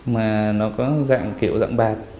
mà nó có dạng kiểu dạng bạc